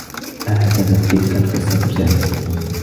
أعجبت تلك القصّة سامي.